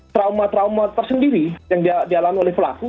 trauma trauma tersendiri yang dialami oleh pelaku